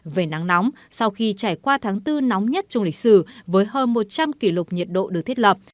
về nắng nóng sau khi trải qua tháng bốn nóng nhất trong lịch sử với hơn một trăm linh kỷ lục nhiệt độ được thiết lập